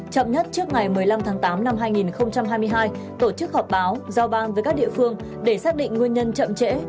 chậm nhất trước ngày một mươi năm tháng tám năm hai nghìn hai mươi hai tổ chức họp báo giao ban với các địa phương để xác định nguyên nhân chậm trễ